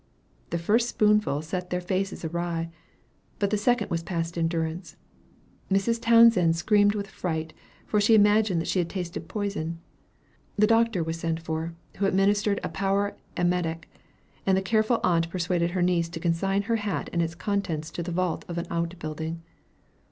The first spoonful set their faces awry, but the second was past endurance; and Mrs. Townsend screamed with fright, for she imagined that she had tasted poison. The doctor was sent for, who administered a powerful emetic; and the careful aunt persuaded her niece to consign her hat and its contents to the vault of an outbuilding.